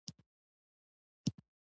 امريکايانو خپل موټران په بمونو ويشتلي وو.